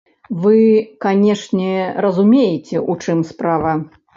Вы, канешне, разумееце, у чым справа?